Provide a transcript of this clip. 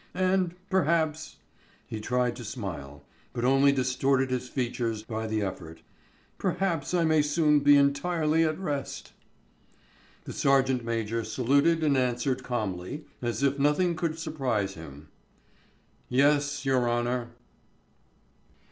And perhaps" he tried to smile, but only distorted his features by the effort "perhaps I may soon be entirely at rest." The sergeant major saluted and answered calmly, as if nothing could surprise him, "Yes, your honour."